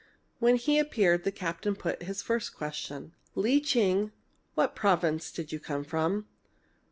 When he appeared the captain put his first question: "Lee Ching, what province did you come from?"